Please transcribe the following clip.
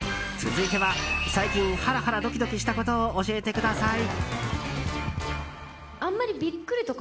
続いては最近ハラハラドキドキしたことを教えてください。